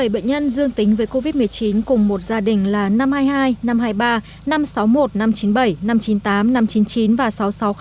bảy bệnh nhân dương tính với covid một mươi chín cùng một gia đình là năm trăm hai mươi hai năm trăm hai mươi ba năm trăm sáu mươi một năm trăm chín mươi bảy năm trăm chín mươi tám năm trăm chín mươi chín và sáu trăm sáu mươi